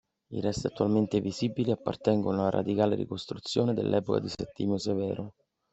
I resti attualmente visibili appartengono ad una radicale ricostruzione dell'epoca di Settimio Severo.